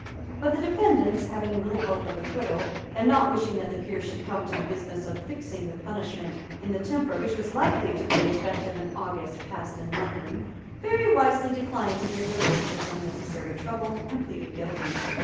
But the defendants, having little hope of acquittal, and not wishing that the Peers should come to the business of fixing the punishment in the temper which was likely to be the effect of an August passed in London, very wisely declined to give their lordships unnecessary trouble, and pleaded guilty.